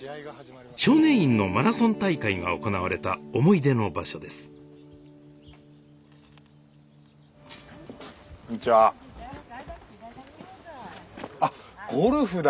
少年院のマラソン大会が行われた思い出の場所ですあっゴルフだ！